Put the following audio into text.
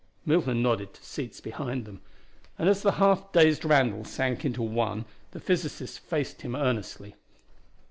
Milton nodded to seats behind them, and as the half dazed Randall sank into one the physicist faced him earnestly.